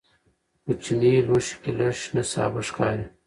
په کوچني لوښي کې لږ شنه سابه ښکاري.